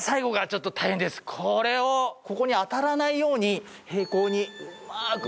これをここに当たらないように平行にうまく。